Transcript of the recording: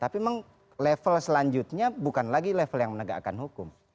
tapi memang level selanjutnya bukan lagi level yang menegakkan hukum